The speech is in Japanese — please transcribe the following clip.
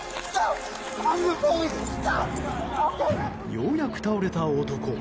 ようやく倒れた男。